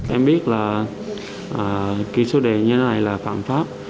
em biết là kỹ số đề như thế này là phạm pháp